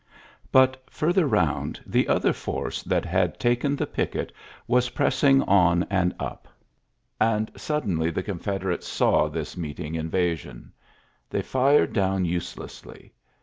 But, further round, the other force that had taken the picket was pressing on and up; and suddenly the Confederates saw this ULYSSES S. GEANT 93 meeting invasion. They fired down use lessly.